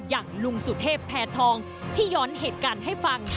อย่างลุงสุเทพแพทองที่ย้อนเหตุการณ์ให้ฟัง